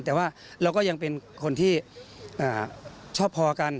แต่ว่าเราก็ยังเป็นคนที่ชอบพอกัน